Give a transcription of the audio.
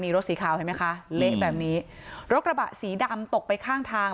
รถสีขาวเห็นไหมคะเละแบบนี้รถกระบะสีดำตกไปข้างทาง